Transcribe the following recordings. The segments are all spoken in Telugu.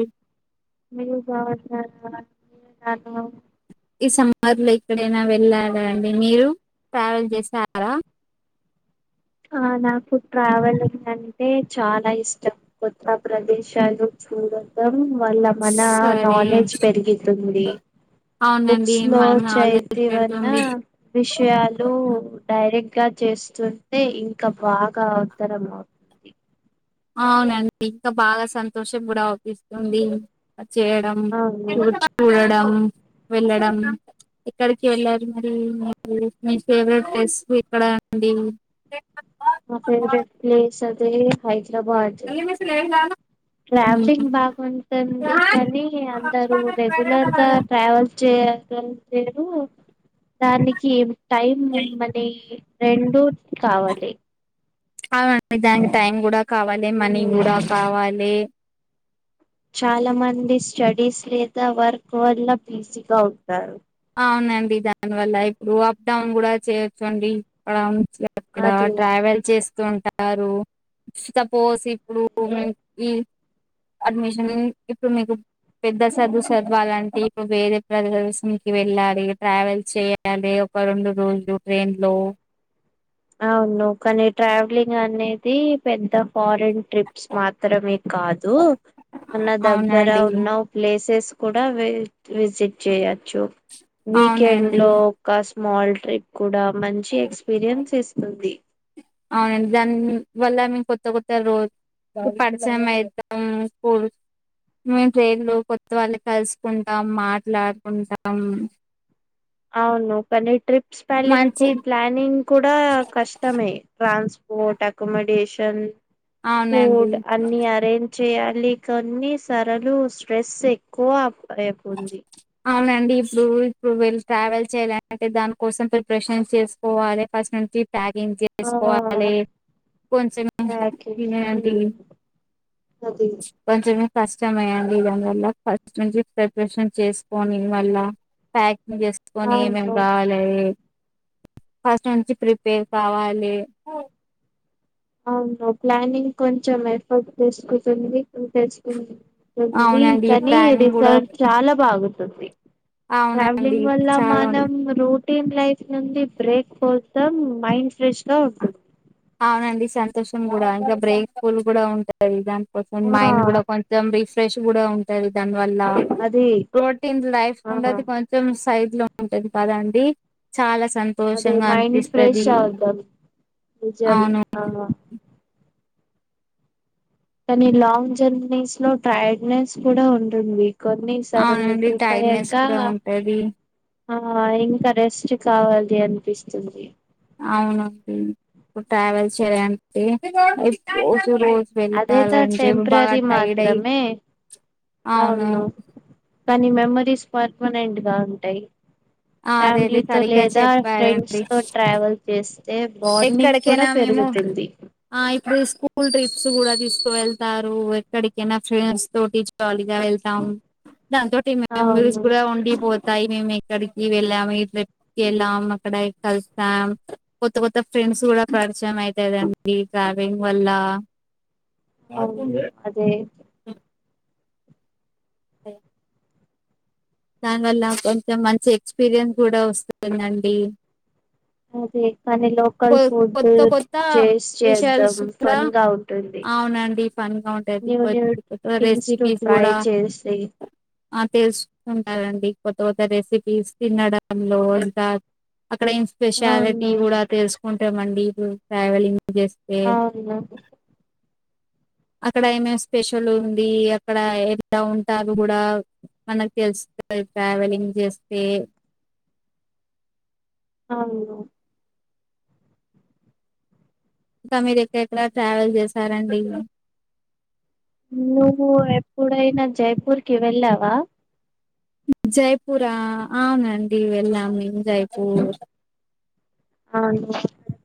ఎ మీ కావట్లే నా నాకు ఈ సమ్మర్ లో ఎక్కడైనా వెళ్ళారా అండి మీరు ట్రావెల్ చేసారా ఆ నాకు ట్రావెలింగ్ అంటే చాలా ఇష్టం కొత్త ప్రదేశాలు చూడటం వళ్ల మన సరే నాలెడ్జ్ పెరిగిదండి అవునండి బుక్స్ లో మనం హాలిడేస్ చైతి వర్న పెడుతుంది విషయాలు డైరెక్ట్ గా చేస్తుంటే ఇంకా బాగా అవతరం అవు అవునండి ఇంకా బాగా సంతోషం కూడా అవుపిస్తుంది చేయడం అవును చూడడం వెళ్ళడం ఇక్కడికి వెళ్ళాలి మరి మీ ఫేవరెట్ ప్లేస్ ఎక్కడ అండి మా ఫేవరెట్ ప్లేస్ అది హైదరాబాద్ [unintelligible] ఓయిందా ట్రావెలింగ్ బాగుంటుంది కానీ అందరు రెగ్యులర్గా ట్రావెల్ చేయలేరు దానికి టైం మనీ రెండు కావాలి అవునండి దానికి టైం కూడా కావాలి మనీ కూడా కావాలి చాలా మంది స్టడీస్ లేదా వర్క్ వల్ల బీజీగా ఉంటారు అవునండి దానివల్ల ఇప్పుడు అప్ డౌన్ కూడా చేయొచ్చు అండి ఇక్కడ మంచిగా అక్కడ అది ట్రావెల్ చేస్తూ ఉంటారు [unintelligible] పోసి ఇప్పుడు హ్మ్ అడ్మిషన్ ఇప్పుడు మీకు పెద్ద చదువు చదువాలంటే ఇప్పుడు వేరే ప్రజస్ల్ని వెళ్ళాలి ట్రావెల్ చేయాలి ఒక రెండు రోజులు ట్రైన్ లో అవును కానీ ట్రావెలింగ్ అనేది పెద్ద ఫారిన్ ట్రిప్స్ మాత్రమే కాదు మన దగ్గర అవునండి ఉన్న ప్లేసెస్ కూడా వి విజిట్ చేయచ్చు వీకెండ్ అవునండి లో ఒక స్మాల్ ట్రిప్ కూడా మంచి ఎక్స్పీరియన్స్ ఇస్తుంది అవునండి దాని వల్ల మేము కొత్త కొత్త రోజ్ [unintelligible] మేము ట్రైన్లు కొత్త వాళ్ళు కలుసుకుంటాం మాట్లాడుకుంటాం అవును కానీ ట్రిప్ స్పెల్లింగ్కు మంచి ప్లానింగ్ కూడా కష్టమే ట్రాన్స్పోర్ట్ అకోమేడేషన్ అవునండి ఫూడ్ అన్ని అరేంజ్ చేయాలి కొన్ని సరలు స్ట్రెస్ ఎక్కువ అయిపోంది అవునండి ఇప్పుడు ఇప్పుడు వీళ్ళు ట్రావెల్ చేయ్యాల అంటే దానికోసం ప్రిపరేషన్స్ చేస్తు పోవాలే ఫస్ట్ నుంచి ప్యాకింగ్ చే ఆ చేసుకోవాలి కొంచెం [unintelligible] నువ్ తిన్ కొంచెం ఫస్ట్ టైమ్ అయ్యండి దానివల్ల ఫస్ట్ నుంచి ఫ [unintelligible] చేసుకోని మళ్ళ ప్యాకింగ్ చేసుకొని ఏమేం అవును కావాలి అవి ఫస్ట్ నుంచి ప్రిపేర్ కావాలి అవును ప్లానింగ్ కొంచెం ఎఫర్ట్ తెసుకుతుంది తెసుకుంది ఉంది అవునండి కాని ప్లానింగ్ కూడా రిసల్ట్ చాలా బాగుంటుంది అవునండి ట్రావెలింగ్ వల్ల చాలా ఉంది మనం రూట్ టీమ్ లైఫ్ నుడి బ్రేక్ పోతాం మైండ్ ఫ్రెష్ గా ఉంటుంది. అవునండి సంతోషం కూడా ఇంకా బ్రేక్ ఫుల్ కూడా ఉంటుంది దానికోసం ఆ మైండ్ కూడా కొ కొంచెం రిఫ్రెష్ కూడా ఉంటుంది దానివల్ల అది ప్రోటీన్ లైఫ్కి ఆ కొంచం మొత్తం స సైడ్ లో ఉంటది కద అండి చాలా సం అదే మైండ్ ఫ్రెష్ అర్దమ్ నిజమే అవును ఆ కానీ లాంగ్ జర్నీస్ లో టైర్డ్నెస్ కూడా ఉంటుంది కొన్ని సరలు అవునండి ట్రిప్ టైర్డ్నెస్ అయ్యాక కూడా ఉంటది ఆ ఇంకా రెస్ట్ కావాలి అనిపిస్తుంది అవునండి ఇప్పుడు ట్రావెల్ చేయాలంటే రోజు రోజు అదేదా వెళ్ళాలంటే బాగా టెంపరరీ టైర్డ్ అయి మాత్రమే అవును కానీ మెమరీస్ పర్మనెంట్ గా ఉంటాయి. ఆ! అదైతే ఫ్యామిలీతో సరిగ్గా లేదా ఫ్రెండ్స్ చెప్పారండి తో ట్రావెల్ చేస్తే బాండింగ్ కూడా ఎక్కడికైనా మేము పెరుగుతుంది ఆ ఇప్పుడు స్కూల్ ట్రిప్స్ కూడా తీసుకు వెళ్తారు ఎక్కడికైనా ఫ్రెండ్స్ తో టీచర్ జాలీగా వెళ్తాం దా తోటి మెమరీస్ అవును కూడా ఉండిపోతై వస్తాయి మేము ఎక్కడికి వెళ్ళాము ఈ ట్రిప్కి వెళ్ళాం అక్కడ కలిసాం కొత్త కొత్త ఫ్రెండ్స్ కూడా పరిచయం అయ్తదండి ట్రావెలింగ్ వల్ల అవును అదే [inaudible] దాని వల్ల కొంచెం మంచి ఎక్స్పీరియన్స్ కూడా వస్తుందండి అదే కానీ లోకల్ కొ ఫుడ్ కొత్త కొత్త టేస్ట్ చేద్దాం విషయాల్స్ కూడా ఫన్ గా ఉ అవునండి ఫన్ గా ఉంటాదికు న్యూ వ థింగ్స్ ను రెసిపీస్ ట్రై కూడా చేసి ఆ తెలుసు ఉంటారండి కొత్త కొత్త రెసిపీస్ తినడంలో ఇంకా అక్కడ స్పెషాలిటీ అవును కూడా తెలుసుకుంటామండి ఇప్పుడు ట్రావెలింగ్ చేస్ అవున అక్కడ ఏమే స్పెషల్ ఉంది అక్కడ ఎ ఉంటారు కూడా మనకు తెలుసు [inaudible] ట్రావెలింగ్ చేస్తే అవును ఇంకా మీరు ఎక్కడెక్కడ ట్రావెల్ చేశారండి నువ్వు ఎప్పుడైనా జైపూర్ కి వెళ్ళావా జైపూరా అవునండి వెళ్ళం జైపూర్ అవున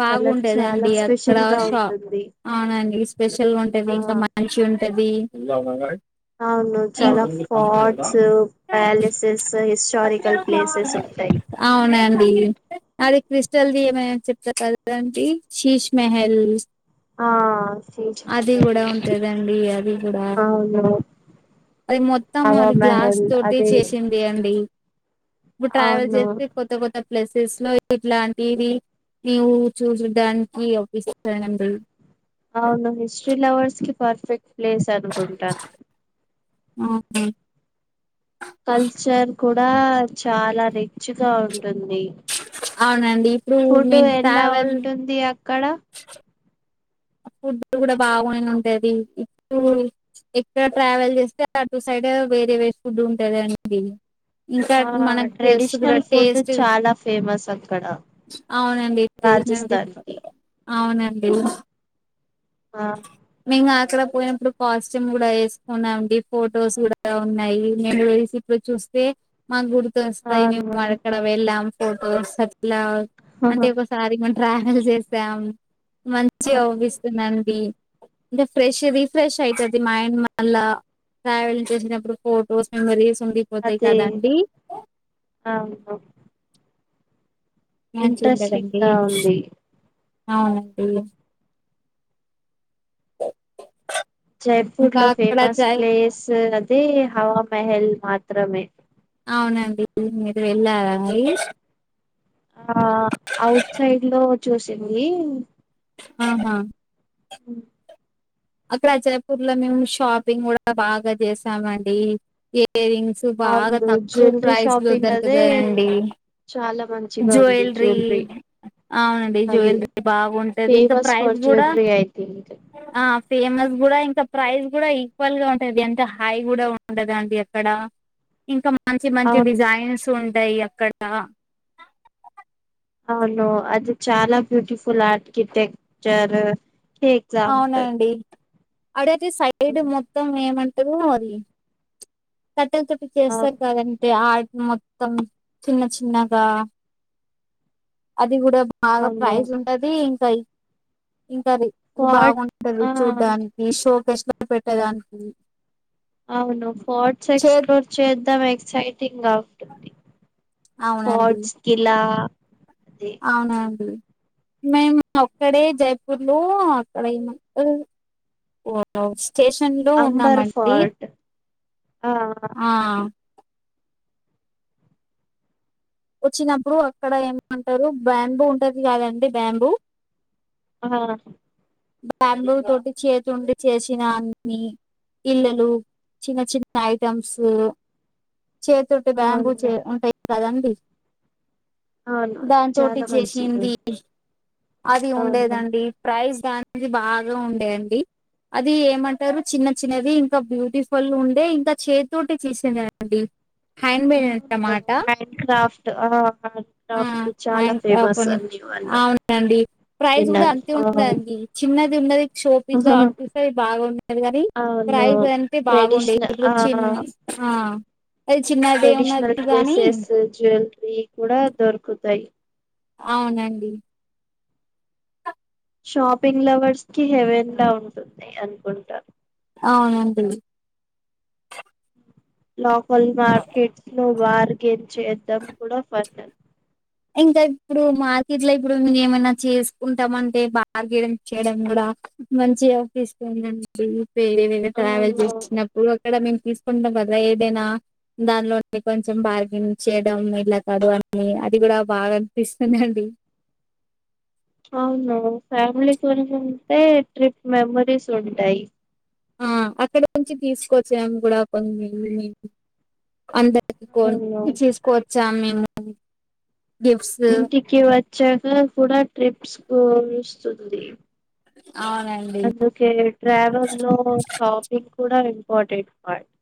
బాగుంటేదండి అక్కడ గా షాప్ ఉంటుంది అవునండి స్పెషల్గా ఉంటది ఆ ఇంకా మ మంచిగుంటది అవును చాలా ఫోర్ట్స్ ప్యాలెసెస్ హిస్టారికల్ ప్లేసెస్ ఉంటాయి అవునండి అదే క్రిస్టల్ది ఏమైనా చెప్ [inaudible] చీస్ మెహల్ ఆ షీజ్ అది మహల్, కూడా ఉంటదండి అది కూడా అవును అది మొత్తం హవా అది గ్లాస్ మహల్ తోటి అదే చేసిన్ ది అండి ఇప్పుడు ట్రావెల్ అవును చేస్తే కొత్త కొత్త ప్లేసెస్ లో ఇట్లాంటివి నవవు చూసడానికి అప్పిస్తానండి అవును హిస్టరీ లవర్స్ కి పర్ఫెక్ట్ ప్లేస్ అనుకుంటాను ఆ అండి కల్చర్ కూడా చాలా రిచ్ గా ఉంటుంది అవునండి ఇప్పుడు ఫుడ్ మీరు ఎలా ట్రావెల్ ఉంటుంది అక్కడ ఫుడ్ కూడా బాగునే ఉంటది ఇప్పుడు ఎక్కడ ట్రావెల్ చేస్తే అటు సైడు వేరే వేరే ఫుడ్ ఉంటది అండి ఇంకా ఆ మనకి తెలుసు కూడా ట్రెడిషనల్ ఫుడ్ టేస్ట్ చాలా ఫేమస్ అక్కడ అవునండి రాజస్థాన్ కి [inaudible] అవునండి ఆ మేము అక్కడ పోయినప్పుడు కాస్ట్యూమ్ కూడా వేసుకున్నామండి ఫొటోస్ కూడా ఉన్నాయి మేము వెరీ ఈడ చూస్తే మాకు గుర్తు వస్తాయి మేము అవును అక్కడ వెళ్ళాం ఫోటోస్ అట్ల అంటే ఒకసారి మం ట్రావెల్ చేసాం మంచిగ ఆ, అవుపిస్తున్నామండి అంటే ఫ్రెష్ రీఫ్రెష్ అయితది మైండ్ మళ్ళా ట్రావెల్ంగ్ చేసినప్పుడు ఫొటోస్ మెమరీస్ ఉండి అదే అవు ఊ మంచి ఇంట్రెస్టింగ్ ఉంటదండి గా ఉంది అవునండి జైపూర్ ఇంకా లో అక్కడ ఫేమస్ జై ప్లేస్ అది హవా మెహల్ మాత్రమే అవునండి మీరు వెళ్ళాలర అండి మన అవుట్ సైడ్ లో చూసింది ఆహా మ్మ్ అక్కడ జయపూర్ లో మేము షాపింగ్ కూడా బాగా చేసామండి ఇయర్ రింగ్స్ బాగా అవును తక్కువ జ్యువెలరీ ప్రైస్ లో షాపింగ్ అదే దొరుకుతాయండి చాలా మంచిగా ఉంది జ్యూవెలరీ. జ్యువెలరీ అవునండి అది జువెలరీ బాగుంటది ఇంకా ప్రైస్ కూడా తెలీదు. ఆ ఫేమస్ కూడా ఇంకా ప్రైస్ కూడా ఈక్వల్ గా ఉంటది అంత హై కూడా ఉంటదండి అక్కడ. ఇంకా మంచి మంచి అవును డిజైన్స్ ఉంటాయి అక్కడ. అవును అది చాలా బ్యూటిఫుల్ ఆర్కిటెక్చర్ కి ఎగ్జాంపుల్ అవునండి అడయితే సైడ్ మొత్తం ఏమంటరు అది కట్టెలతోటి చేస్తారు అవును కదండి ఆర్ట్ మొత్తం చిన్న చిన్నగా అది కూడా బాగా అవును ప్రైస్ ఉంటది ఇంకా ఇంకా అది అది ఫోర్ట్ బాగుంటది ఆ చూడ్డానికి, షోకేస్లో పెట్టడానికి. అవును ఫోర్ట్స్ చే ఎక్స్ప్లోర్ చేద్దాం ఎక్సైటింగ్ గా ఉంటుంది. అవునండి ఫోర్ట్స్ కిలా అది అవునా అండి. మేము ఒక్కడే జైపూర్ లో అక్కడ [inaudible] [inaudible] స్టేషన్లో అంబర్ ఉన్నామండి. ఫోర్ట్ ఆ ఆ వచ్చినప్పుడు అక్కడ ఏమంటరు బ్యాంబు ఉంటది కాదండి బ్యాంబు ఆ బ్యాంబు తోటి చేతుండి చేసినా అన్నీ. ఇళ్ళలు, చిన్న చిన్న ఐటమ్స్ చే తోటే బ్యాంబూ అవును చే ఉంటయి కదండి. అవును అది దానితోటి చాలా మంచిగా చేశింది అది అవును ఉండేదండి ప్రైజ్ దా నికి బాగా ఉండే అండి. అది ఏమంటరు చిన్న చిన్నవి ఇంకా బ్యూటిఫుల్ ఉండే ఇంకా చేతితోటే చేసింది అండి. హ్యాండ్మేడ్ అవును టమాటా హ్యాండ్ క్రాఫ్ట్ ఆ [inaudible] ఆ చాలా హ్యం ఫేమస్ [unintelligible] అన్ని వాళ్ళు అవునండి ప్రైజ్ కూడా విన్నాను అంతే ఆ ఉందండి. చిన్నది ఉన్నది షో దీంట్లో అనిపిస్తే బాగుండేది కనీ అవును ప్రైస్ అంటే బాగుండేది ట్రెడిషనల్ ఇప్పుడు ఆ చిన్న ఆ అది చిన్నది ఉన్నది కానీ వెయ్యికి కూడా దొరుకుతయి. అవునండి. షాపింగ్ లవర్స్కి హెవెన్లా ఉంటుంది అనుకుంటా. అవునండి. లోకల్ మార్కెట్స్ లో బార్గెన్ చేద్దాం కూడా ఫన్ అం ఇంకా ఇప్పుడు మార్కెట్లో ఇప్పుడు మేము ఏమైనా చేసుకుంటము అంటే బార్గెన్ చేయడం కూడా మంచిగా అనిపిస్తుందండి వేరే వేరే ట్రావెల్ అవును చేసినప్పుడు. అక్కడ మేం తీసుకుంటం కదా ఏదైనా దానిలో నుండి కొంచెం బార్గెనింగ్ చేయడం ఇలా కాదు అని అ ది కూడ బాగా అనిపిస్తుందండి. అవును ఫ్యామిలీతోని ఉంటే ట్రిప్ మెమరీస్ ఉంటయి. ఆ అక్కడ నుంచి తీసుకొచ్చాము కూడా కొన్ని [inaudible] అందరి కి అవును కొని తీసుకోవచ్చాము మేము. గిఫ్ట్స్ ఇంటికి వచ్చాక కూడా ట్రిప్స్ కు [inaudible] స్తుంది. అవునండి దుకే ట్రావెల్లో షాపింగ్ కూడ ఇంపార్టెంట్ పాయింట్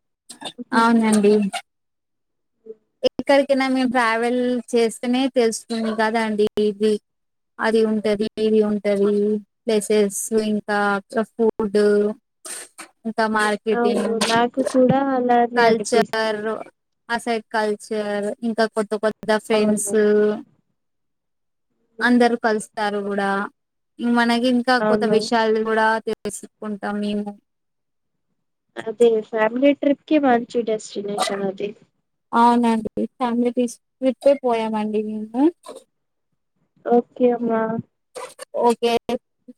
అవునండి ఎక్కడికైనా మేం ట్రావెల్ చేస్తేనే తెలుస్తుంది కదాండి ఇది అది ఉంటది ఇది ఉంటది ప్లేసెస్ ఇంకా ఫూడ్ ఇంక మార్ అవును కెటింగ్ నాకు కూడా అలానే కల్చర్ అనిపిస్తుంది ఆ సైడ్ కల్చర్ ఇంక కొత్త కొత్త అవును ఫ్రెండ్స్ అందరు కలుస్తారు గూడా ఇం మనకింకా కొత్త అవును విషయాలు కూడా తెల్ సుకుంటామేమో అదీ ఫ్యామిలీ ట్రిప్ కి మంచి డెస్టినేషన్ అది అవునండి ఫ్యామిలీ తీసు ట్రిప్పే పోయామండి మేము ఓకే అమ్మా ఓకే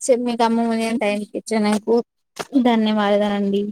చ మీకు అమ్మో నెన్ టైం ఇచ్చినందుకు ధన్యవాదాలండి